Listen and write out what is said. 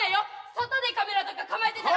外でカメラとか構えてたら。